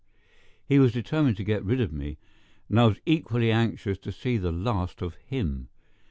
He was determined to get rid of me, and I was equally anxious to see the last of him.